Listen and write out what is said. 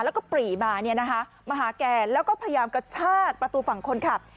แล้วก็ปรีมามาหาแกแล้วก็พยายามกระชากประตูฝั่งคนขับ